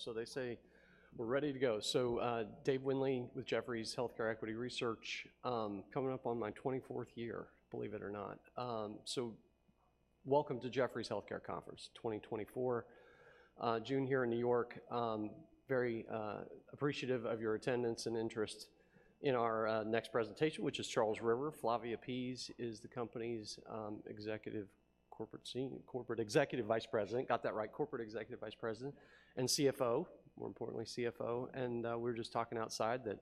So they say we're ready to go. So, Dave Windley with Jefferies Healthcare Equity Research, coming up on my 24th year, believe it or not. So welcome to Jefferies Healthcare Conference 2024, June here in New York. Very appreciative of your attendance and interest in our next presentation, which is Charles River. Flavia Pease is the company's executive corporate senior—Corporate Executive Vice President. Got that right, Corporate Executive Vice President, and CFO, more importantly, CFO. And we were just talking outside that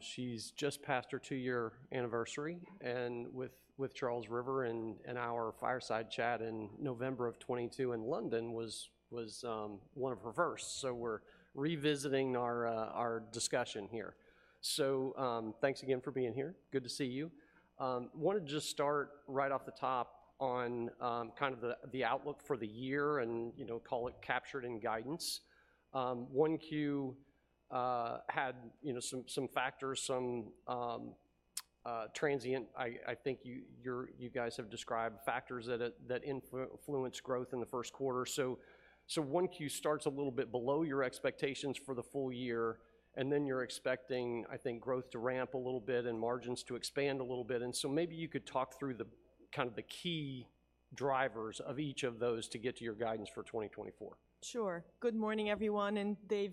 she's just passed her two year anniversary, and with Charles River, and our fireside chat in November of 2022 in London was one of her first. So we're revisiting our discussion here. So, thanks again for being here. Good to see you. Wanted to just start right off the top on kind of the outlook for the year and, you know, call it captured in guidance. Q1 had, you know, some factors, some transient—I think you, you're, you guys have described factors that influence growth in the first quarter. So Q1 starts a little bit below your expectations for the full year, and then you're expecting, I think, growth to ramp a little bit and margins to expand a little bit. And so maybe you could talk through kind of the key drivers of each of those to get to your guidance for 2024. Sure. Good morning, everyone, and Dave,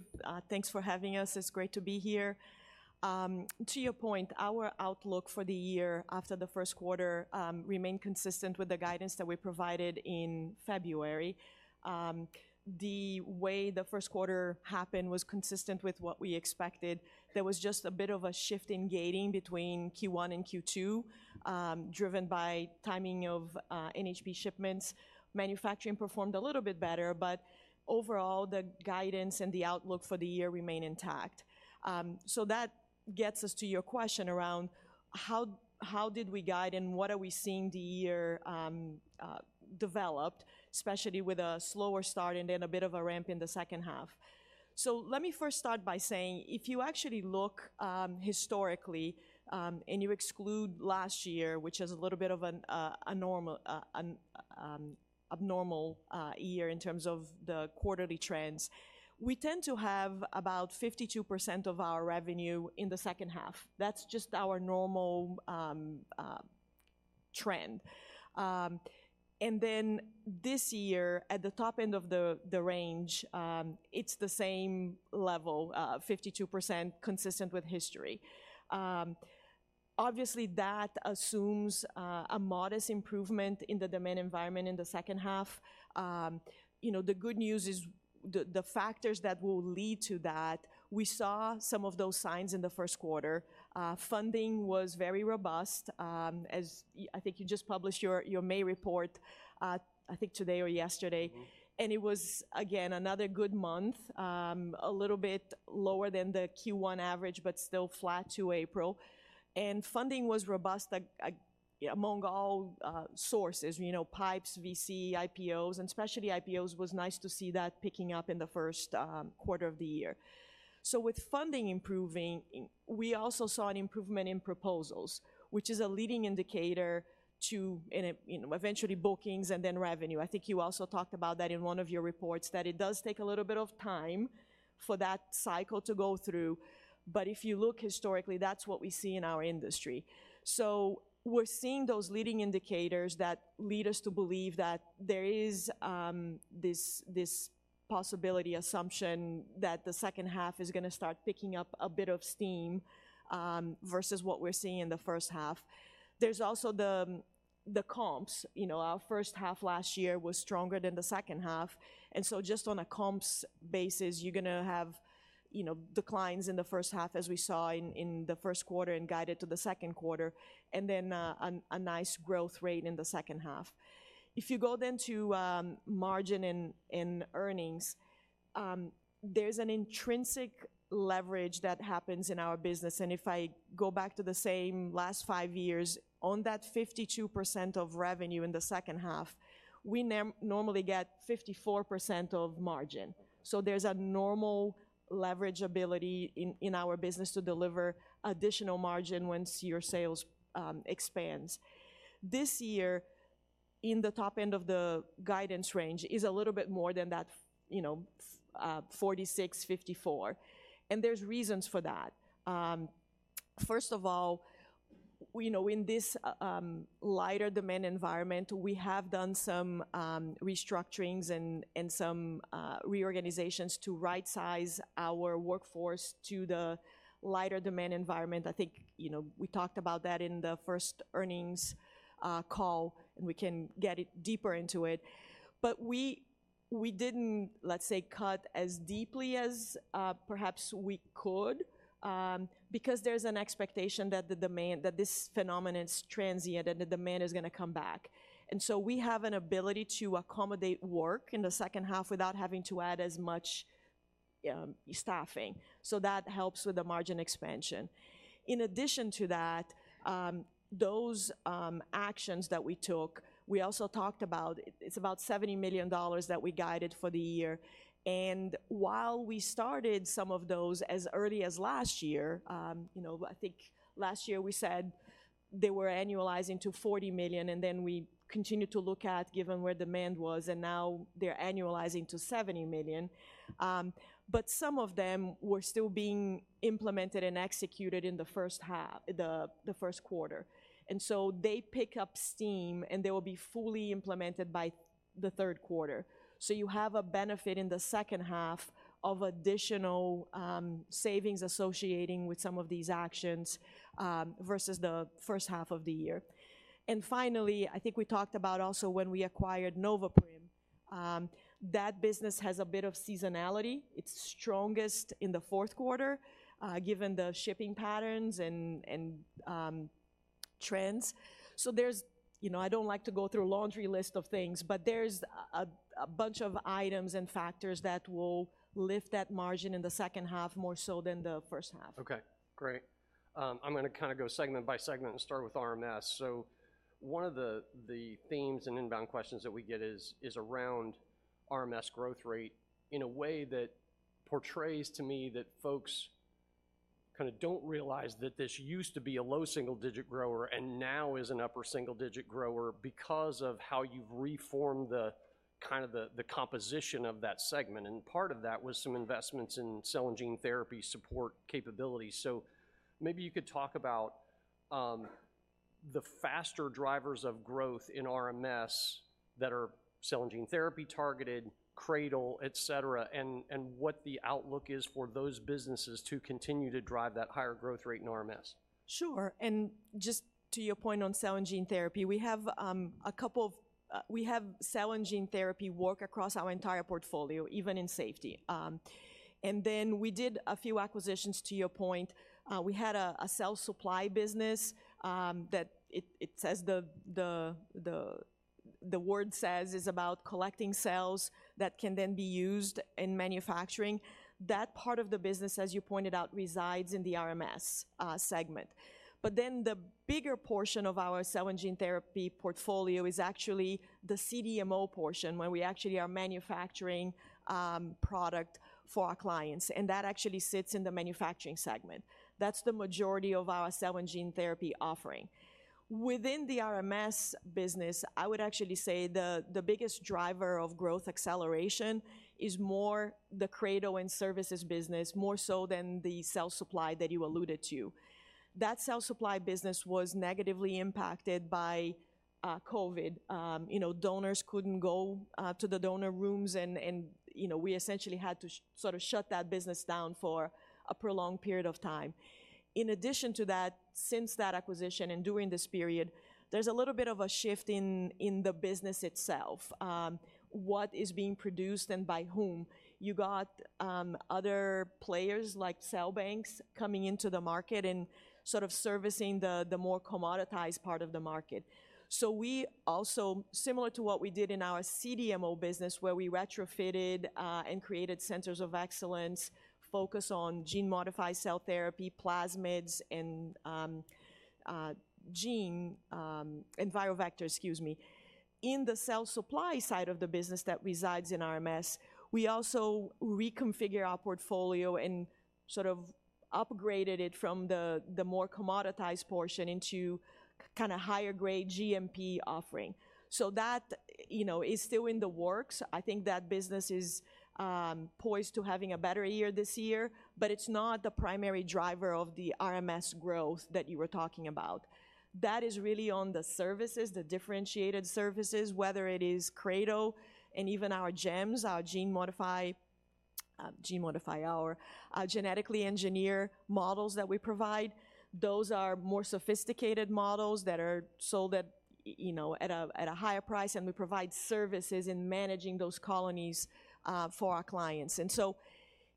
thanks for having us. It's great to be here. To your point, our outlook for the year after the first quarter remained consistent with the guidance that we provided in February. The way the first quarter happened was consistent with what we expected. There was just a bit of a shift in gating between Q1 and Q2, driven by timing of NHP shipments. Manufacturing performed a little bit better, but overall, the guidance and the outlook for the year remain intact. So that gets us to your question around how, how did we guide, and what are we seeing the year developed, especially with a slower start and then a bit of a ramp in the second half? So let me first start by saying, if you actually look, historically, and you exclude last year, which is a little bit of an abnormal year in terms of the quarterly trends, we tend to have about 52% of our revenue in the second half. That's just our normal trend. And then this year, at the top end of the range, it's the same level, 52%, consistent with history. Obviously, that assumes a modest improvement in the demand environment in the second half. You know, the good news is the factors that will lead to that, we saw some of those signs in the first quarter. Funding was very robust, as you, I think you just published your May report, I think today or yesterday. It was, again, another good month, a little bit lower than the Q1 average, but still flat to April. Funding was robust among all sources, you know, PIPEs, VC, IPOs, and especially IPOs, was nice to see that picking up in the first quarter of the year. With funding improving, we also saw an improvement in proposals, which is a leading indicator to, and, you know, eventually bookings and then revenue. I think you also talked about that in one of your reports, that it does take a little bit of time for that cycle to go through. But if you look historically, that's what we see in our industry. So we're seeing those leading indicators that lead us to believe that there is this possibility assumption that the second half is gonna start picking up a bit of steam versus what we're seeing in the first half. There's also the comps. You know, our first half last year was stronger than the second half, and so just on a comps basis, you're gonna have, you know, declines in the first half, as we saw in the first quarter and guided to the second quarter, and then a nice growth rate in the second half. If you go then to margin and earnings, there's an intrinsic leverage that happens in our business, and if I go back to the same last five years, on that 52% of revenue in the second half, we normally get 54% of margin. So there's a normal leverage ability in our business to deliver additional margin once your sales expands. This year, in the top end of the guidance range, is a little bit more than that, you know, 46-54, and there's reasons for that. First of all, you know, in this lighter demand environment, we have done some restructurings and some reorganizations to rightsize our workforce to the lighter demand environment. I think, you know, we talked about that in the first earnings call, and we can get deeper into it. But we didn't, let's say, cut as deeply as perhaps we could, because there's an expectation that the demand, that this phenomenon is transient, and the demand is gonna come back. And so we have an ability to accommodate work in the second half without having to add as much staffing. So that helps with the margin expansion. In addition to that, those actions that we took, we also talked about, it's about $70 million that we guided for the year, and while we started some of those as early as last year, you know, I think last year we said they were annualizing to $40 million, and then we continued to look at, given where demand was, and now they're annualizing to $70 million. But some of them were still being implemented and executed in the first half, the first quarter, and so they pick up steam, and they will be fully implemented by the third quarter. So you have a benefit in the second half of additional savings associating with some of these actions versus the first half of the year. And finally, I think we talked about also when we acquired Noveprim. That business has a bit of seasonality. It's strongest in the fourth quarter, given the shipping patterns and trends. So there's, you know, I don't like to go through a laundry list of things, but there's a bunch of items and factors that will lift that margin in the second half, more so than the first half. Okay, great. I'm gonna kinda go segment by segment and start with RMS. So one of the themes and inbound questions that we get is around RMS growth rate in a way that portrays to me that folks kinda don't realize that this used to be a low single digit grower, and now is an upper single digit grower because of how you've reformed the kind of the composition of that segment, and part of that was some investments in cell and gene therapy support capabilities. So maybe you could talk about the faster drivers of growth in RMS that are cell and gene therapy targeted, CRADL, et cetera, and what the outlook is for those businesses to continue to drive that higher growth rate in RMS. Sure, and just to your point on Cell and Gene Therapy, we have a couple of. We have Cell and Gene Therapy work across our entire portfolio, even in safety. And then we did a few acquisitions, to your point. We had a cell supply business that is about collecting cells that can then be used in manufacturing. That part of the business, as you pointed out, resides in the RMS segment. But then the bigger portion of our Cell and Gene Therapy portfolio is actually the CDMO portion, where we actually are manufacturing product for our clients, and that actually sits in the Manufacturing segment. That's the majority of our Cell and Gene Therapy offering. Within the RMS business, I would actually say the biggest driver of growth acceleration is more the CRADL and services business, more so than the cell supply that you alluded to. That cell supply business was negatively impacted by COVID. You know, donors couldn't go to the donor rooms and, you know, we essentially had to sort of shut that business down for a prolonged period of time. In addition to that, since that acquisition and during this period, there's a little bit of a shift in the business itself, what is being produced and by whom. You got other players, like cell banks, coming into the market and sort of servicing the more commoditized part of the market. So we also, similar to what we did in our CDMO business, where we retrofitted and created centers of excellence, focus on gene-modified cell therapy, plasmids, and gene and viral vector, excuse me. In the cell supply side of the business that resides in RMS, we also reconfigure our portfolio and sort of upgraded it from the more commoditized portion into kind of higher grade GMP offering. So that, you know, is still in the works. I think that business is poised to having a better year this year, but it's not the primary driver of the RMS growth that you were talking about. That is really on the services, the differentiated services, whether it is CRADL and even our GEMs, our genetically engineered models that we provide. Those are more sophisticated models that are sold at, you know, at a higher price, and we provide services in managing those colonies for our clients. And so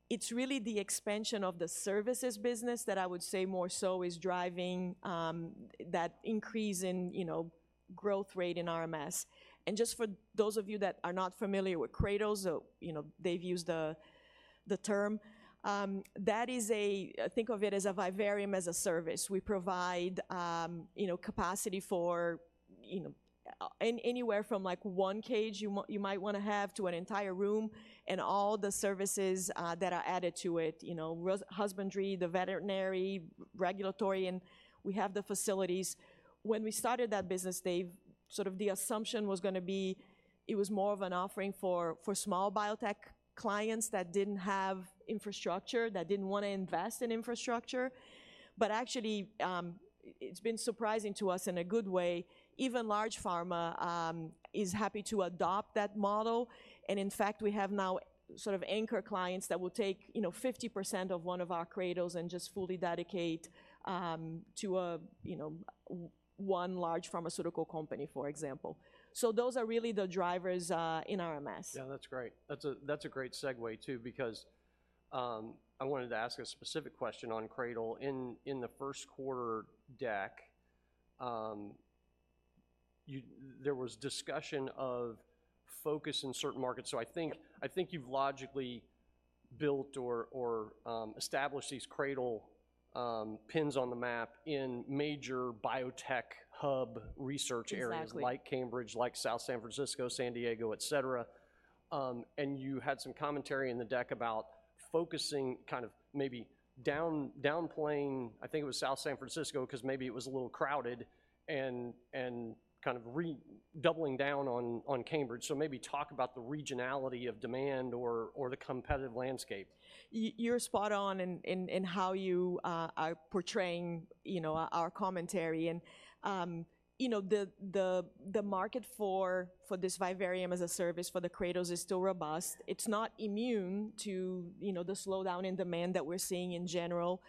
it's really the expansion of the services business that I would say more so is driving that increase in, you know, growth rate in RMS. And just for those of you that are not familiar with CRADLs, you know, Dave used the term, that is a vivarium as a service. We provide, you know, capacity for, you know, anywhere from like one cage you might wanna have to an entire room, and all the services that are added to it, you know, husbandry, the veterinary, regulatory, and we have the facilities. When we started that business, Dave, sort of the assumption was gonna be, it was more of an offering for, for small biotech clients that didn't have infrastructure, that didn't wanna invest in infrastructure. But actually, it's been surprising to us in a good way, even large pharma is happy to adopt that model, and in fact, we have now sort of anchor clients that will take, you know, 50% of one of our CRADLs and just fully dedicate to a, you know, one large pharmaceutical company, for example. So those are really the drivers in RMS. Yeah, that's great. That's a, that's a great segue, too, because I wanted to ask a specific question on CRADL. In the first quarter deck, you, there was discussion of focus in certain markets. So I think, I think you've logically built or, or established these CRADL pins on the map in major biotech hub research areas- Exactly. - like Cambridge, like South San Francisco, San Diego, et cetera. And you had some commentary in the deck about focusing, kind of maybe down, downplaying, I think it was South San Francisco, 'cause maybe it was a little crowded, and kind of redoubling down on Cambridge. So maybe talk about the regionality of demand or the competitive landscape. You're spot on in how you are portraying, you know, our commentary. And you know, the market for this vivarium as a service for the CRADLs is still robust. It's not immune to, you know, the slowdown in demand that we're seeing in general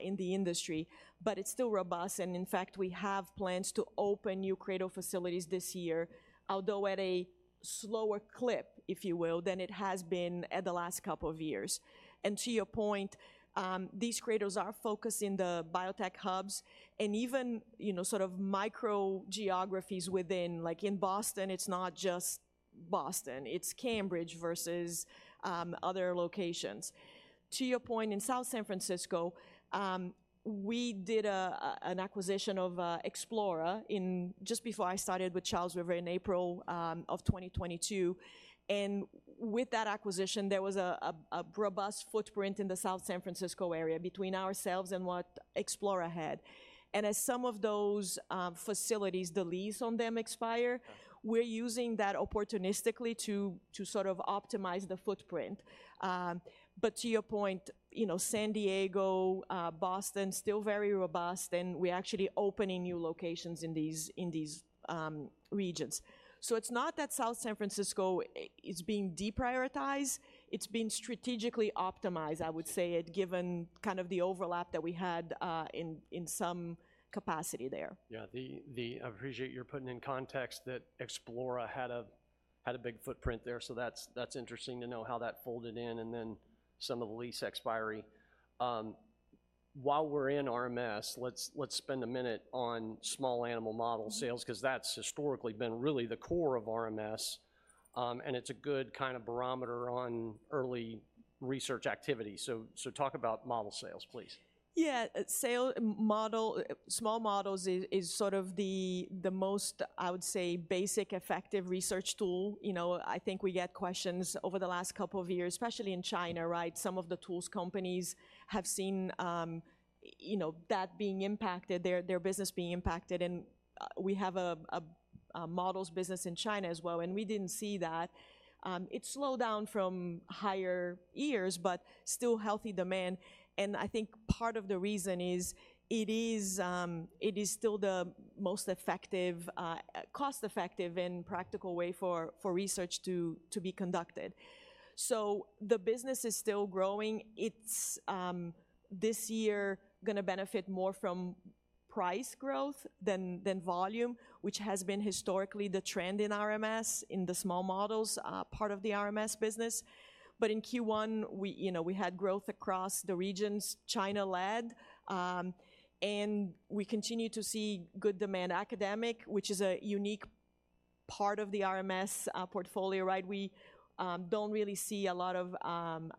in the industry, but it's still robust. And in fact, we have plans to open new CRADL facilities this year, although at a slower clip, if you will, than it has been at the last couple of years. And to your point, these CRADLs are focused in the biotech hubs and even, you know, sort of micro geographies within like in Boston, it's not just Boston; it's Cambridge versus other locations. To your point, in South San Francisco, we did an acquisition of Explora just before I started with Charles River in April of 2022, and with that acquisition, there was a robust footprint in the South San Francisco area between ourselves and what Explora had. And as some of those facilities, the lease on them expire- We're using that opportunistically to, to sort of optimize the footprint. But to your point, you know, San Diego, Boston, still very robust, and we're actually opening new locations in these, in these, regions. So it's not that South San Francisco is being deprioritized, it's being strategically optimized, I would say, at given kind of the overlap that we had, in, in some capacity there. Yeah. I appreciate you're putting in context that Explora had a big footprint there, so that's interesting to know how that folded in and then some of the lease expiry. While we're in RMS, let's spend a minute on small animal model sales, 'cause that's historically been really the core of RMS, and it's a good kind of barometer on early research activity. So, talk about model sales, please. Yeah. Small animal models is sort of the most, I would say, basic effective research tool. You know, I think we get questions over the last couple of years, especially in China, right? Some of the tools companies have seen, you know, that being impacted, their business being impacted, and we have a models business in China as well, and we didn't see that. It slowed down from higher years, but still healthy demand, and I think part of the reason is, it is still the most effective, cost-effective and practical way for research to be conducted. So the business is still growing. It's this year gonna benefit more from price growth than volume, which has been historically the trend in RMS, in the small models part of the RMS business. But in Q1, we, you know, had growth across the regions, China led, and we continue to see good demand. Academic, which is a unique part of the RMS portfolio, right? We don't really see a lot of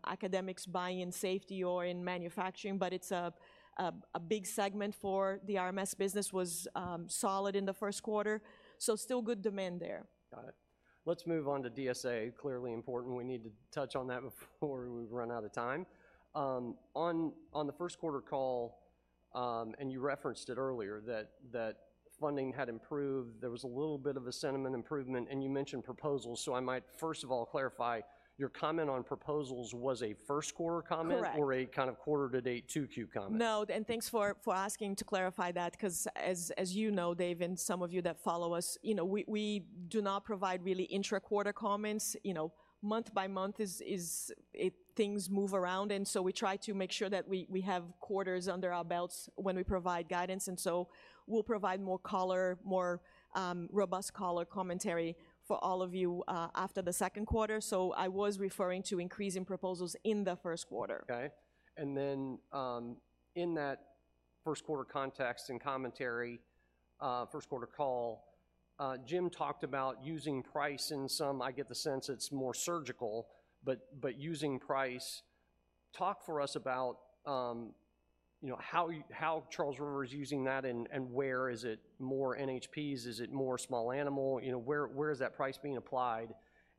academics buying in safety or in manufacturing, but it's a big segment for the RMS business, was solid in the first quarter, so still good demand there. Got it. Let's move on to DSA, clearly important. We need to touch on that before we run out of time. On the first quarter call, and you referenced it earlier, that funding had improved. There was a little bit of a sentiment improvement, and you mentioned proposals, so I might first of all clarify: Your comment on proposals was a first quarter comment- Correct -or a kind of quarter-to-date, 2Q comment? No, and thanks for asking to clarify that, 'cause as you know, Dave, and some of you that follow us, you know, we do not provide really intra-quarter comments. You know, month by month is things move around, and so we try to make sure that we have quarters under our belts when we provide guidance, and so we'll provide more color, more robust color commentary for all of you after the second quarter. So I was referring to increasing proposals in the first quarter. Okay. And then, in that first quarter context and commentary, first quarter call, Jim talked about using price in some, I get the sense it's more surgical, but, but using price. Talk for us about, you know, how you, how Charles River is using that, and, and where is it more NHPs? Is it more small animal? You know, where, where is that price being applied,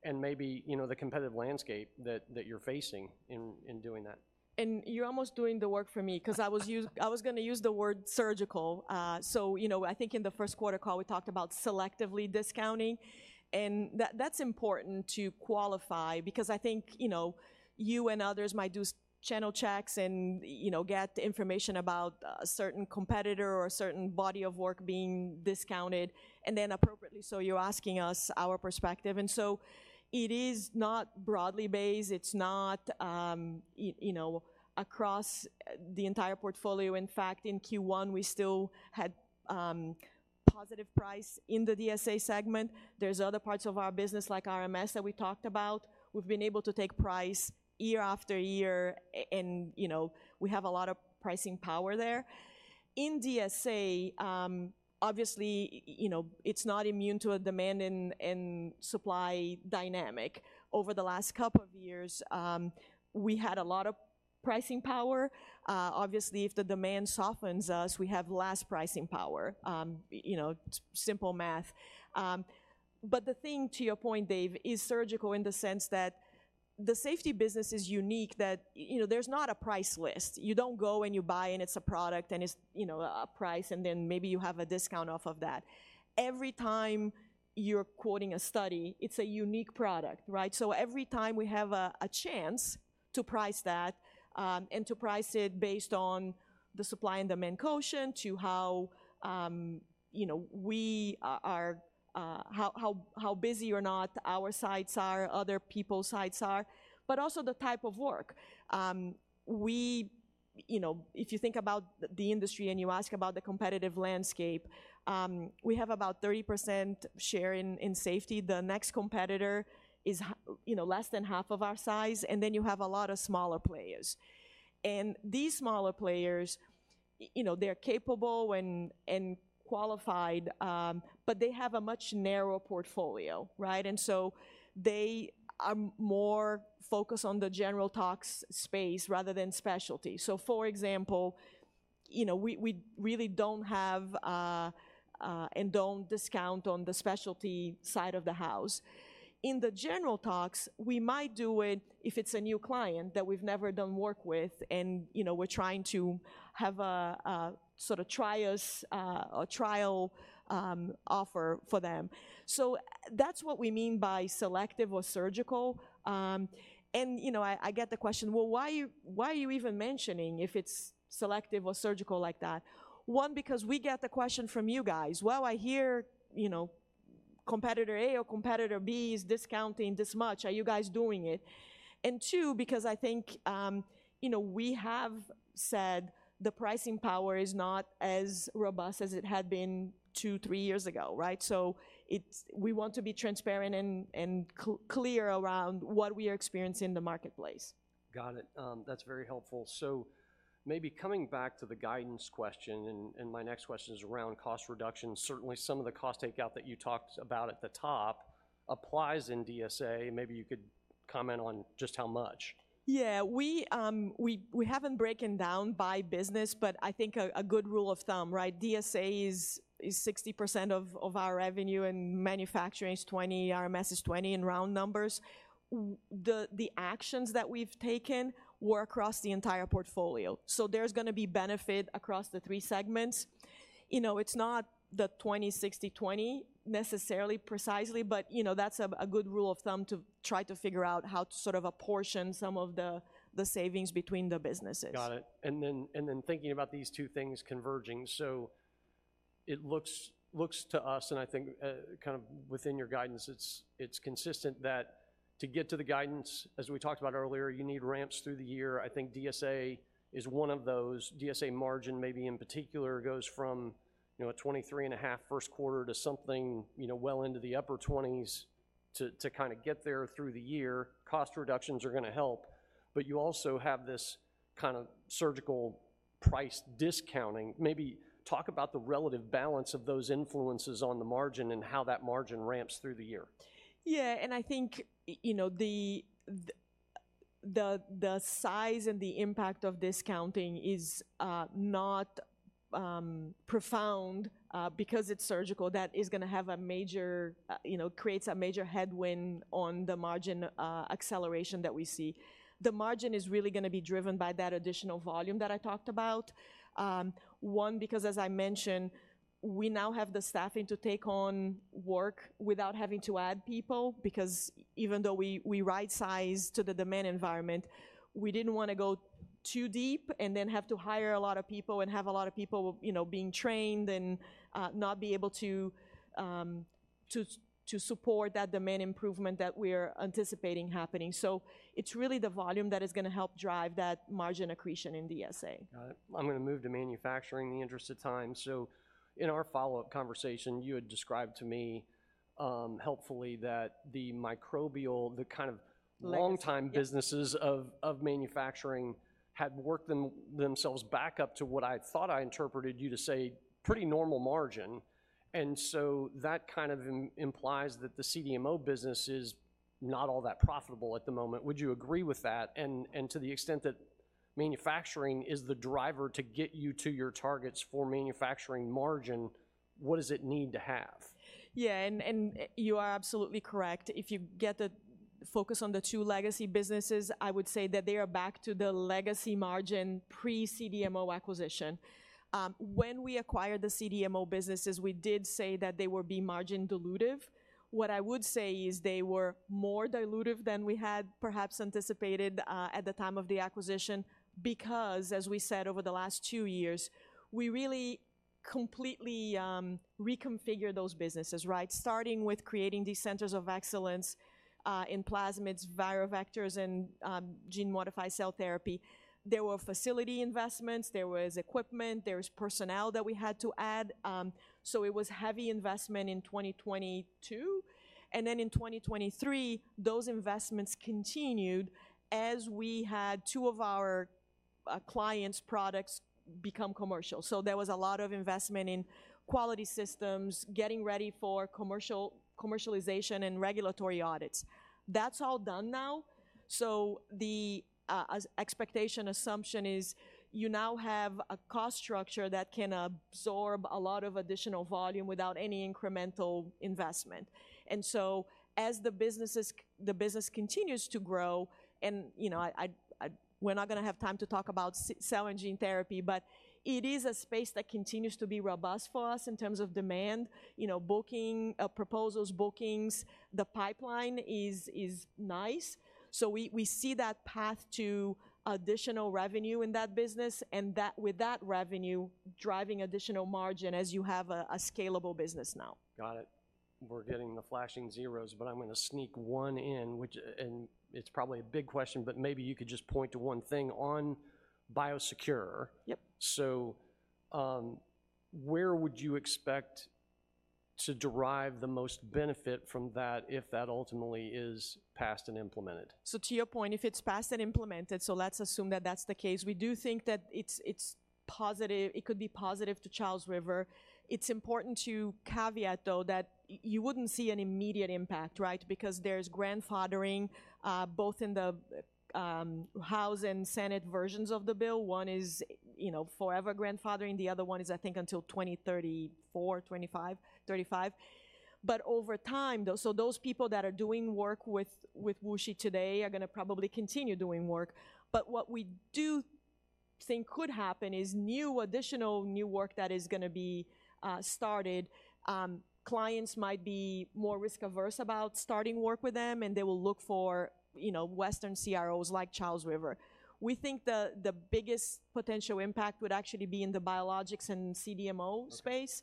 and maybe, you know, the competitive landscape that, that you're facing in, in doing that. And you're almost doing the work for me, 'cause I was gonna use the word surgical. So, you know, I think in the first quarter call, we talked about selectively discounting, and that, that's important to qualify because I think, you know, you and others might do channel checks and, you know, get information about a certain competitor or a certain body of work being discounted. And then appropriately so, you're asking us our perspective, and so it is not broadly based. It's not, you know, across the entire portfolio. In fact, in Q1, we still had positive price in the DSA segment. There's other parts of our business, like RMS, that we talked about. We've been able to take price year after year, and, you know, we have a lot of pricing power there. In DSA, obviously, you know, it's not immune to a demand and supply dynamic. Over the last couple of years, we had a lot of pricing power. Obviously, if the demand softens, as we have less pricing power, you know, simple math. But the thing, to your point, Dave, is surgical in the sense that the safety business is unique, that, you know, there's not a price list. You don't go, and you buy, and it's a product, and it's, you know, a price, and then maybe you have a discount off of that. Every time you're quoting a study, it's a unique product, right? So every time we have a chance to price that, and to price it based on the supply and demand quotient, to how, you know, we are, how busy or not our sites are, other people's sites are, but also the type of work. You know, if you think about the industry, and you ask about the competitive landscape, we have about 30% share in safety. The next competitor is, you know, less than half of our size, and then you have a lot of smaller players. And these smaller players, you know, they're capable and qualified, but they have a much narrower portfolio, right? And so they are more focused on the general tox space rather than specialty. So, for example, you know, we really don't have, and don't discount on the specialty side of the house. In the general tox, we might do it if it's a new client that we've never done work with, and, you know, we're trying to have a sort of try us, a trial offer for them. So that's what we mean by selective or surgical. And, you know, I get the question: "Well, why are you, why are you even mentioning if it's selective or surgical like that?" One, because we get the question from you guys. "Well, I hear, you know, competitor A or competitor B is discounting this much. Are you guys doing it?" And two, because I think, you know, we have said the pricing power is not as robust as it had been two, three years ago, right? So it's—we want to be transparent and clear around what we are experiencing in the marketplace. Got it. That's very helpful. So maybe coming back to the guidance question, and my next question is around cost reduction. Certainly, some of the cost takeout that you talked about at the top applies in DSA. Maybe you could comment on just how much. Yeah. We haven't broken down by business, but I think a good rule of thumb, right? DSA is 60% of our revenue, and manufacturing is 20, RMS is 20 in round numbers. The actions that we've taken were across the entire portfolio, so there's gonna be benefit across the three segments. You know, it's not the 20, 60, 20 necessarily, precisely, but, you know, that's a good rule of thumb to try to figure out how to sort of apportion some of the savings between the businesses. Got it. And then thinking about these two things converging, so it looks to us, and I think, kind of within your guidance, it's consistent that to get to the guidance, as we talked about earlier, you need ramps through the year. I think DSA is one of those. DSA margin, maybe in particular, goes from, you know, a 23.5% first quarter to something, you know, well into the upper 20s% to kind of get there through the year. Cost reductions are gonna help, but you also have this kind of surgical price discounting. Maybe talk about the relative balance of those influences on the margin and how that margin ramps through the year. Yeah, and I think, you know, the size and the impact of discounting is not profound, because it's surgical, that is gonna have a major, you know, creates a major headwind on the margin acceleration that we see. The margin is really gonna be driven by that additional volume that I talked about. One, because, as I mentioned, we now have the staffing to take on work without having to add people, because even though we right-sized to the demand environment, we didn't wanna go too deep and then have to hire a lot of people and have a lot of people, you know, being trained and not be able to support that demand improvement that we are anticipating happening. So it's really the volume that is gonna help drive that margin accretion in DSA. Got it. I'm gonna move to manufacturing in the interest of time. So in our follow-up conversation, you had described to me, helpfully that the microbial, the kind of- Legacy. -longtime businesses of manufacturing had worked themselves back up to what I thought I interpreted you to say, pretty normal margin. And so that kind of implies that the CDMO business is not all that profitable at the moment. Would you agree with that? And to the extent that manufacturing is the driver to get you to your targets for manufacturing margin, what does it need to have? Yeah, and, and you are absolutely correct. If you get the focus on the two legacy businesses, I would say that they are back to the legacy margin pre-CDMO acquisition. When we acquired the CDMO businesses, we did say that they would be margin dilutive. What I would say is they were more dilutive than we had perhaps anticipated at the time of the acquisition because, as we said over the last two years, we really completely reconfigured those businesses, right? Starting with creating these centers of excellence in plasmids, viral vectors, and gene-modified cell therapy. There were facility investments, there was equipment, there was personnel that we had to add. So it was heavy investment in 2022, and then in 2023, those investments continued as we had two of our clients' products become commercial. So there was a lot of investment in quality systems, getting ready for commercialization and regulatory audits. That's all done now, so the expectation, assumption is you now have a cost structure that can absorb a lot of additional volume without any incremental investment. And so as the business continues to grow, and, you know, we're not gonna have time to talk about cell and gene therapy, but it is a space that continues to be robust for us in terms of demand. You know, booking proposals, bookings, the pipeline is nice, so we see that path to additional revenue in that business, and with that revenue, driving additional margin as you have a scalable business now. Got it. We're getting the flashing zeros, but I'm gonna sneak one in, which, and it's probably a big question, but maybe you could just point to one thing. On BIOSECURE. Yep. Where would you expect to derive the most benefit from that if that ultimately is passed and implemented? So to your point, if it's passed and implemented, so let's assume that that's the case, we do think that it's, it's positive—it could be positive to Charles River. It's important to caveat, though, that you wouldn't see an immediate impact, right? Because there's grandfathering, both in the House and Senate versions of the bill. One is, you know, forever grandfathering, the other one is, I think, until 2034, 2025, 2035. But over time, though, so those people that are doing work with, with WuXi today are gonna probably continue doing work. But what we do think could happen is new, additional new work that is gonna be started, clients might be more risk-averse about starting work with them, and they will look for, you know, Western CROs like Charles River. We think the biggest potential impact would actually be in the biologics and CDMO space.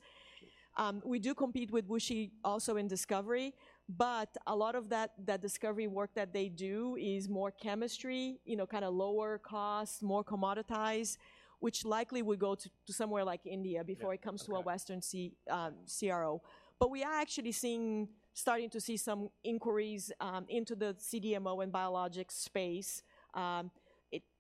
Okay. We do compete with WuXi also in discovery, but a lot of that discovery work that they do is more chemistry, you know, kinda lower cost, more commoditized, which likely would go to somewhere like India before it comes to a Western CRO. But we are actually seeing, starting to see some inquiries into the CDMO and biologics space.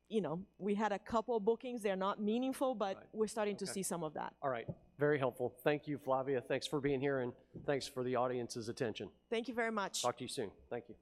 You know, we had a couple bookings. They're not meaningful but we're starting to see some of that. All right. Very helpful. Thank you, Flavia. Thanks for being here, and thanks for the audience's attention. Thank you very much. Talk to you soon. Thank you.